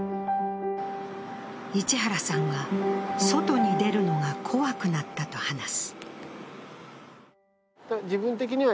市原さんは、外に出るのが怖くなったと話す。